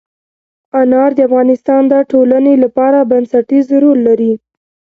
انار د افغانستان د ټولنې لپاره بنسټيز رول لري.